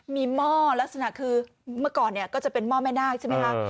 มีหม้อลักษณะคือเมื่อก่อนเนี่ยก็จะเป็นหม้อแม่นาคใช่ไหมคะ